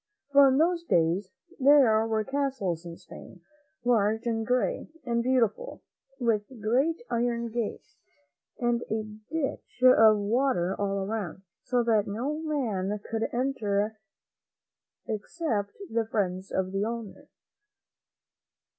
For in those days there were castles in Spain, large and gray and beautiful, with great iron gates and a ditch of water all around, so that no man could enter except the friends of the owner.